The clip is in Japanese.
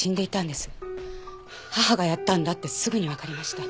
母がやったんだってすぐにわかりました。